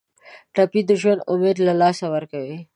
ټپي د ژوند امید له لاسه ورکوي.